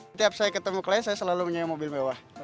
setiap saya ketemu klien saya selalu punya mobil mewah